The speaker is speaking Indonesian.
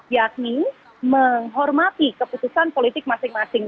yakni menghormati keputusan politik masing masing